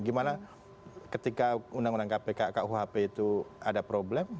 gimana ketika undang undang kpk kuhp itu ada problem